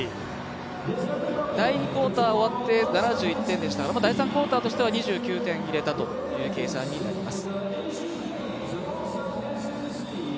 第２クオーター終わって７１点でしたから、第３クオーターとしては、２９点入れたという計算になります。